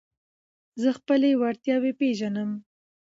زه خپلي وړتیاوي پېژنم.